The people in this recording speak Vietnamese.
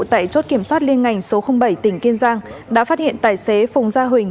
tại chốt kiểm soát liên ngành số bảy tỉnh kiên giang đã phát hiện tài xế phùng gia huỳnh